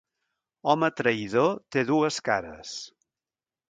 Home traïdor té dues cares.